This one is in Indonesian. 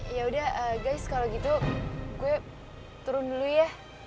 yaudah guys kalau gitu gue turun dulu ya